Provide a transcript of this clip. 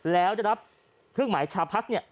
แล้วได้รับเครื่องหมายชาพลัสเนี่ย